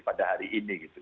pada hari ini